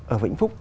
ở vĩnh phúc